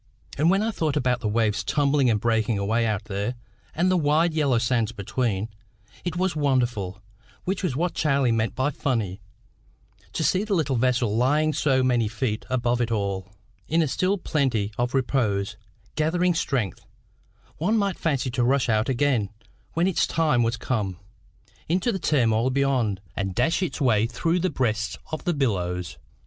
And when I thought about the waves tumbling and breaking away out there, and the wide yellow sands between, it was wonderful which was what Charlie meant by funny to see the little vessel lying so many feet above it all, in a still plenty of repose, gathering strength, one might fancy to rush out again, when its time was come, into the turmoil beyond, and dash its way through the breasts of the billows.